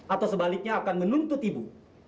atau sebaliknya akan menuntut ibu